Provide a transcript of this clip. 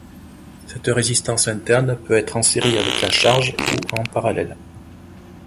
Cette résistance interne peut être en série avec la charge ou en parallèle.